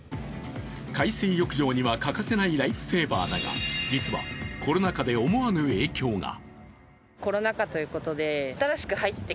海水浴場には欠かせないライフセーバーだが、実は、コロナ禍で思わぬ影響が。